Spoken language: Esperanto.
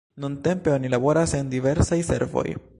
Nuntempe oni laboras en diversaj servoj.